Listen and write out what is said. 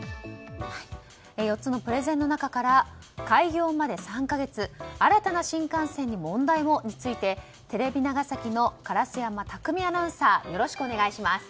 ４つのプレゼンの中から開業まで３か月新たな新幹線に問題もについてテレビ長崎の烏山拓巳アナウンサー